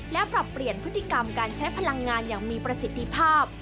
และปรับเปลี่ยนพฤติกรรมการใช้พลังงานอย่างมีประสิทธิภาพ